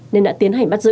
nên đã tiến hành bắt giữ